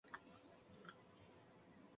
La mayoría de las especies son ornamentales.